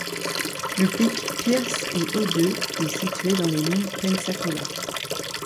Le Pic Pierce est haut de et situé dans les monts Pensacola.